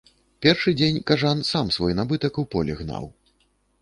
Першы дзень кажан сам свой набытак у поле гнаў.